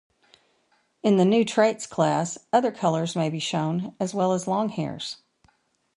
In the New Traits class, other colours may be shown, as well as longhairs.